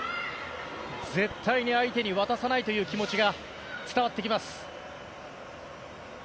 絶対に相手に渡さないという気持ちが伝わってきます。